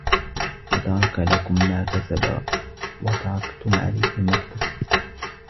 وَتَرَكَ لَكُمْ مَا كَسَبَ وَتَرَكْتُمْ عَلَيْهِ مَا اكْتَسَبَ